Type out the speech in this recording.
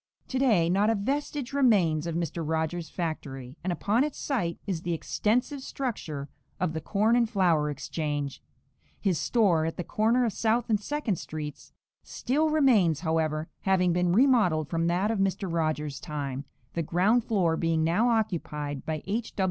To day not a vestige remains of Mr. Rogers' factory, and upon its site is the extensive structure of the Corn and Flour Exchange. His store, at the corner of South and Second streets, still remains, however, having been remodeled from that of Mr. Rogers' time, the ground floor being now occupied by H.